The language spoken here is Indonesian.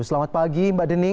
selamat pagi mbak dening